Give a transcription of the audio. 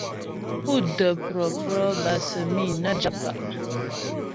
Pú də́ prɔ̌prɔ bâ səmi' nə́ jap pa'.